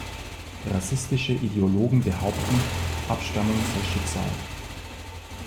Rassistische Ideologen behaupteten, Abstammung sei Schicksal.